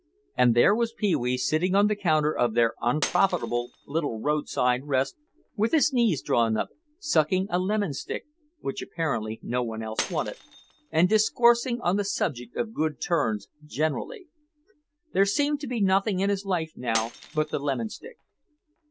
And there was Pee wee sitting on the counter of their unprofitable little roadside rest, with his knees drawn up, sucking a lemon stick (which apparently no one else wanted) and discoursing on the subject of good turns generally. There seemed to be nothing in his life now but the lemon stick.